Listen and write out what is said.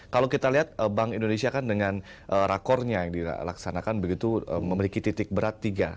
kalau kita lihat bank indonesia kan dengan rakornya yang dilaksanakan begitu memiliki titik berat tiga